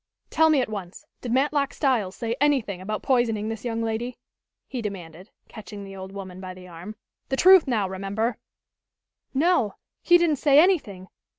"Tell me at once, did Matlock Styles say anything about poisoning this young lady?" he demanded, catching the old woman by the arm. "The truth now, remember!" "No, he didn't say anything.